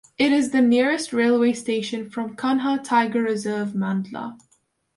It is the nearest railway station from Kanha Tiger Reserve Mandla